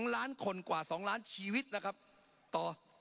ล้านคนกว่า๒ล้านชีวิตนะครับต่อ